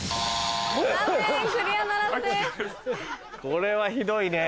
これはひどいね。